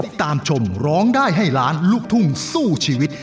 ชมร้องได้ให้ล้านลูกทุ่งสู้ชีวิต